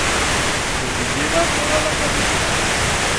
Se viyeba toda la carretera.